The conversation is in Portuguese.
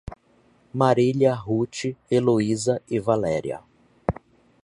Marília, Ruth, Heloísa e Valéria